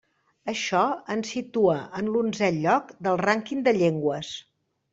Això ens situa en l'onzè lloc del rànquing de llengües.